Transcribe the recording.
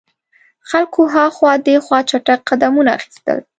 خلکو هاخوا دیخوا چټګ قدمونه اخیستل.